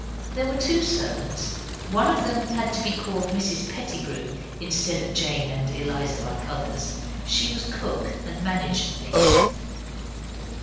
There were two servants. One of them had to be called Mrs Pettigrew instead of Jane and Eliza like others. She was cook and managed things.